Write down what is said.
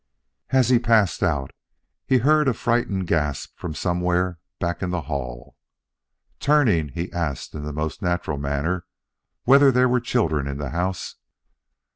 As he passed out, he heard a frightened gasp from somewhere back in the hall. Turning, he asked in the most natural manner whether there were children in the house.